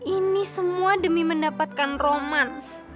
ini semua demi mendapatkan roman